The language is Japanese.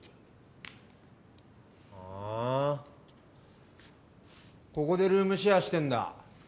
はここでルームシェアしてんだ？